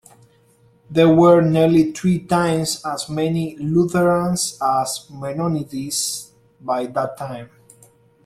There were nearly three times as many Lutherans as Mennonites by that time.